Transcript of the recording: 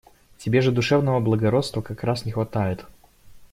Тебе же душевного благородства как раз не хватает.